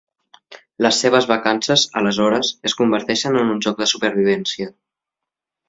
Les seves vacances, aleshores, es converteixen en un joc de supervivència.